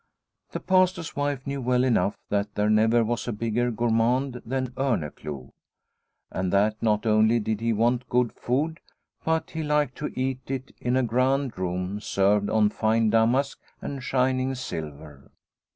The Pastor's wife knew well enough that there never was a bigger gourmand than Orneclou, and that not only did he want good food, but he liked to eat it in a grand room served on fine damask and shining silver.